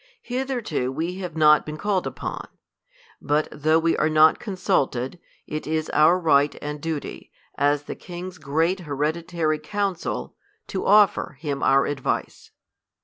Hitherto we have| not been called upon. But though wc are not consulted^ |' it is our right and duty, as the king's great hereditary " council, to offer him our advice.